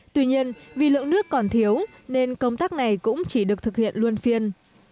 tuy nhiên vì lượng nước còn thiếu nên công tác này cũng chỉ được thực hiện luôn phiên